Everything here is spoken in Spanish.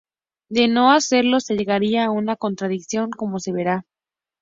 De no hacerlo se llegaría a una contradicción, como se vera.